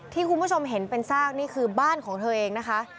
ที่คุณผู้ชมเห็นเป็นซากนี่คือบ้านของเธอเองนะคะ